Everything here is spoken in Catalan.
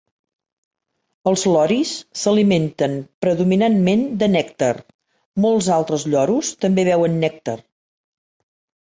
Els loris s'alimenten predominantment de nèctar; molts altres lloros també beuen nèctar.